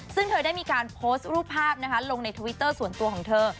ซึ่งเธอได้มีการโพสต์รูปภาพลงในทวิตเตอร์ส่วนตัวของเธอ